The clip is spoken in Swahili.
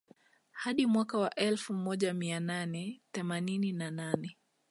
Hadi mwaka wa elfu moja mia nane themanini na nane